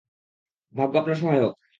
ভাগ্য আপনার সহায় হোক!